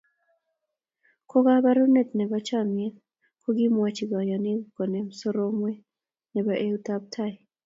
Ko kabarunet nebo chomyet kokiamwochi kanyoiik konem soromweet nebo eutab tai.